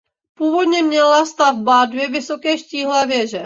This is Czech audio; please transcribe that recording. Původně měla stavba dvě vysoké štíhlé věže.